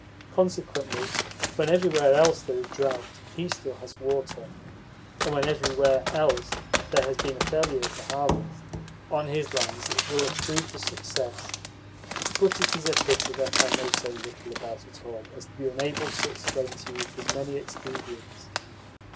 Consequently, when everywhere else there is drought, he still has water, and when everywhere else there has been a failure of the harvest, on his lands it will have proved a success. But it is a pity that I know so little about it all as to be unable to explain to you his many expedients.